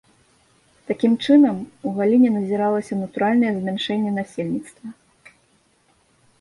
Такім чынам, у галіне назіралася натуральнае змяншэнне насельніцтва.